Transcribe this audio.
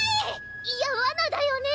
いやわなだよね